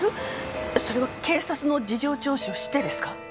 それは警察の事情聴取を知ってですか？